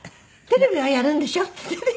テレビはやるんでしょ？」